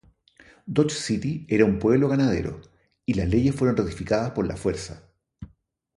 Dodge City era un "pueblo ganadero", y las leyes fueron ratificadas por la fuerza.